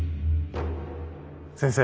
先生。